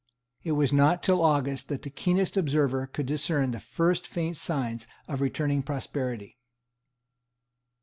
It was not till August that the keenest observer could discern the first faint signs of returning prosperity.